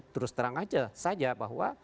terus terang saja bahwa